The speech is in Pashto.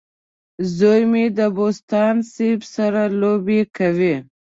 زوی مې د بوسټان سیب سره لوبه کوي.